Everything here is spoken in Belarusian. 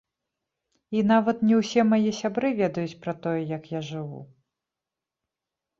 І нават не ўсе мае сябры ведаюць пра тое, як я жыву.